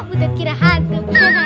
budak kira hantu